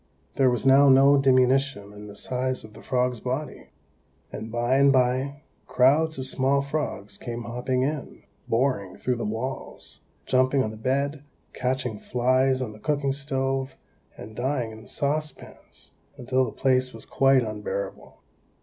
There was now no diminution in the size of the frog's body; and by and by crowds of small frogs came hopping in, boring through the walls, jumping on the bed, catching flies on the cooking stove, and dying in the saucepans, until the place was quite unbearable.